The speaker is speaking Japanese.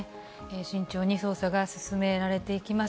慎重に捜査が進められていきます。